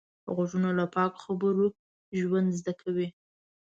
غوږونه له پاکو خبرو ژوند زده کوي